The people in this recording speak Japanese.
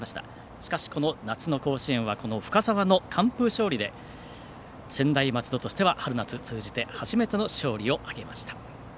しかし、この夏の甲子園は深沢の完封勝利で専大松戸としては春夏通じて初めての勝利を挙げました。